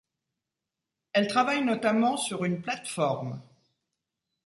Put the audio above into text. Elle travaille notamment sur une plate-forme.